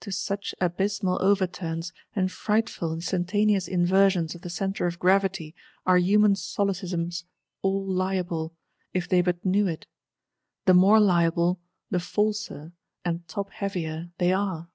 —To such abysmal overturns, and frightful instantaneous inversions of the centre of gravity, are human Solecisms all liable, if they but knew it; the more liable, the falser (and topheavier) they are!